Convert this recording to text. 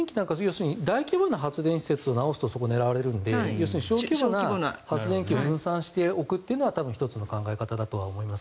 大規模な発電施設を直すとそこを狙われるので小規模な発電機を分散して送るというのが１つの考え方だとは思います。